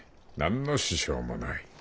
何の支障もない。